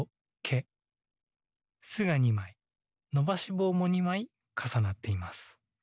「ス」が２まいのばしぼうも２まいかさなっています。